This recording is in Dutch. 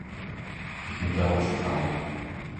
Ik moet daarop vertrouwen.